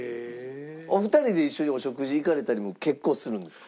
お二人で一緒にお食事行かれたりも結構するんですか？